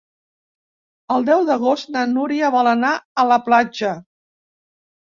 El deu d'agost na Núria vol anar a la platja.